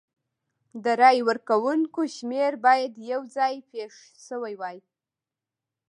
د رای ورکوونکو شمېر باید یو ځای پېښ شوي وای.